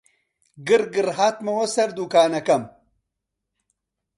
گڕگڕ هاتمەوە سەر دووکانەکەم